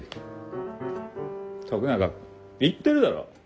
徳永君言ってるだろう？